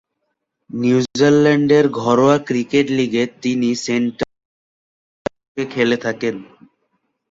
নিউজিল্যান্ডের ঘরোয়া ক্রিকেট লীগে তিনি সেন্ট্রাল ডিস্ট্রিক্স-এর পক্ষে খেলে থাকেন।